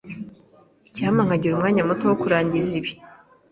Icyampa nkagira umwanya muto wo kurangiza ibi.